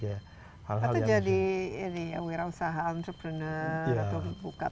itu jadi usaha entrepreneur atau buka toko bisnis